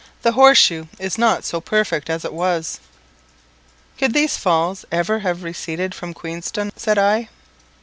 The Horse shoe is not so perfect as it was." "Could these Falls ever have receded from Queenstone?" said I.